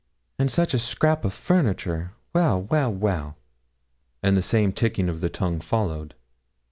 'And such a scrap o' furniture! Well, well, well!' and the same ticking of the tongue followed.